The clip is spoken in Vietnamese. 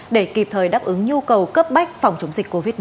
để kịp thời đáp ứng nhu cầu cấp bách phòng chống dịch covid một mươi